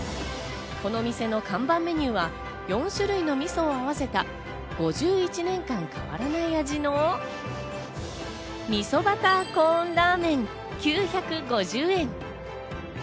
この店の看板メニューは４種類の味噌をあわせた、５１年間変わらない味のみそバターコーンラーメン９５０円。